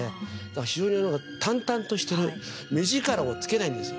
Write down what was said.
非常になんか淡々としてる目力をつけないんですよ。